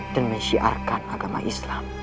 dan menyiarkan agama islam